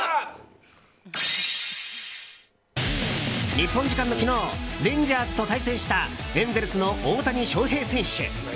日本時間の昨日レンジャーズと対戦したエンゼルスの大谷翔平選手。